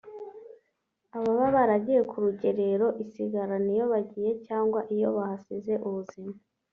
ababa baragiye ku rugerero isigarana iyo bagiye cyangwa iyo bahasize ubuzima